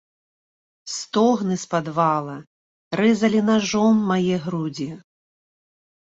Стогны з падвала рэзалі нажом мае грудзі.